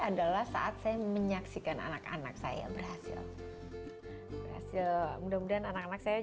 adalah saat saya menyaksikan anak anak saya berhasil berhasil mudah mudahan anak anak saya